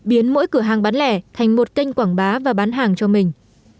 biến mỗi cửa hàng bán lẻ thành một kênh quảng bá và bán hàng cho mình